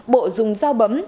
bộ dùng dao bấm